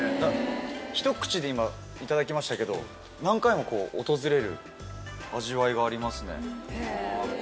ひと口で今いただきましたけど何回も訪れる味わいがありますね。